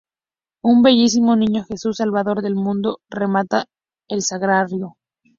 Un bellísimo "Niño Jesús Salvador del Mundo" remata el sagrario.